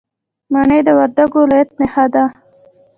مڼې د وردګو ولایت نښان دی.